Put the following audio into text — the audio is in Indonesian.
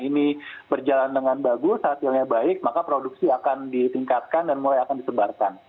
ini berjalan dengan bagus hasilnya baik maka produksi akan ditingkatkan dan mulai akan disebarkan